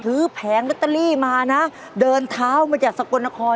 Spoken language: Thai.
แผงลอตเตอรี่มานะเดินเท้ามาจากสกลนคร